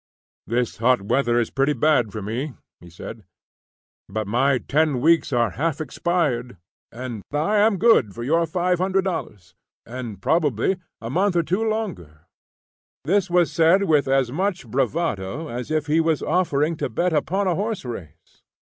"This hot weather is pretty bad for me," he said, "but my ten weeks are half expired, and I am good for your $500, and, probably, a month or two longer." This was said with as much bravado as if he was offering to bet upon a horse race.